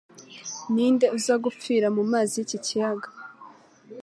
ninde uza gupfira mumazi yiki kiyaga